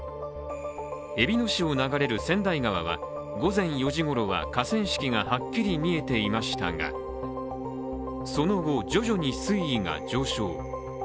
えびの市を流れる川内川は午前４時ごろは河川敷がはっきり見えていましたが、その後、徐々に水位が上昇。